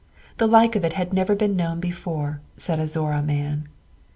The like of it had never been known before, said a Zorra man.